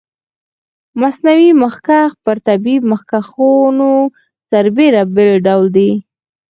مصنوعي مخکش پر طبیعي مخکشونو سربېره بل ډول دی.